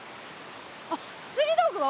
あっつり道具は？